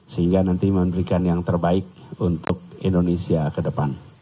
sehingga nanti memberikan yang terbaik untuk indonesia ke depan